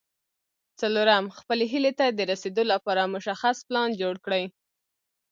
څلورم خپلې هيلې ته د رسېدو لپاره مشخص پلان جوړ کړئ.